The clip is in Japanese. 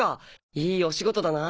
いいお仕事だなあ。